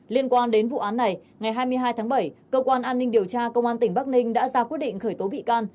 liên quan đến vụ án này ngày hai mươi hai tháng bảy cơ quan an ninh điều tra công an tỉnh bắc ninh đã ra quyết định khởi tố bị can